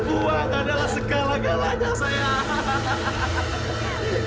uang adalah segala galanya sayang